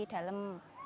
dan di dalamnya ada